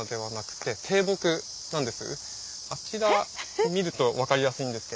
あちら見ると分かりやすいんですけど。